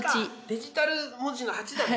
デジタル文字の８だね。